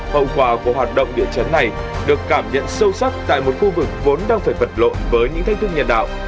hậu quả của hoạt động địa chấn này được cảm nhận sâu sắc tại một khu vực vốn đang phải vật lộn với những thách thức nhân đạo